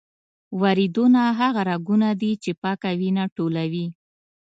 وریدونه هغه رګونه دي چې پاکه وینه ټولوي.